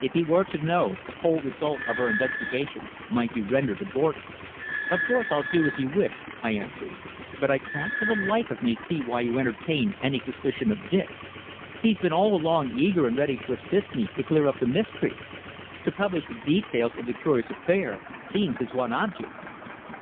If he were to know, the whole result of our investigations might be rendered abortive." "Of course I'll do as you wish," I answered. "But I can't for the life of me see why you entertain any suspicion of Dick. He's been all along eager and ready to assist me to clear up the mystery. To publish the details of the curious affair seems his one object."